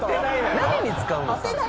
何に使うのかな？